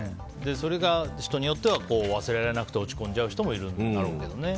それが人によっては忘れられなくて落ち込んじゃう人もいるんだろうけどね。